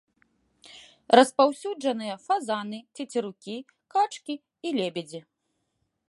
Распаўсюджаныя фазаны, цецерукі, качкі і лебедзі.